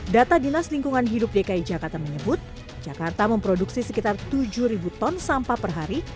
data dinas lingkungan hidup dki jakarta menyebut jakarta memproduksi sekitar tujuh ton sampah per hari